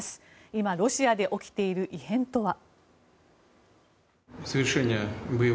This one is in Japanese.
今ロシアで起きている異変とは。